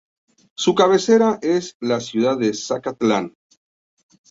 Su cabecera es la ciudad de Zacatlán.